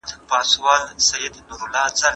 د انسان کرامت ته بشپړ درناوی کیده.